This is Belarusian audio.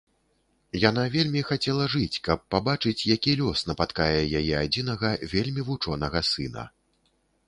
Яна вельмі хацела жыць, каб пабачыць, які лёс напаткае яе адзінага вельмі вучонага сына.